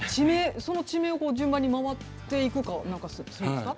その地名を順番に回っていくかなんかするんですか？